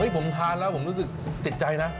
ผมทานแล้วผมรู้สึกติดใจนะ